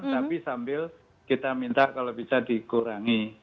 tapi sambil kita minta kalau bisa dikurangi